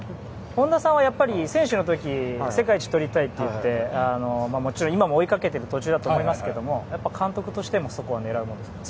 本田さんは選手の時世界一をとりたいと言ってもちろん今も追いかけている途中だと思いますが監督としてもそこは狙うわけですか？